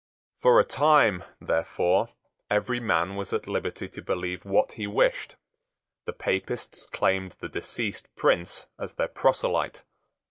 For a time, therefore, every man was at liberty to believe what he wished. The Papists claimed the deceased prince as their proselyte.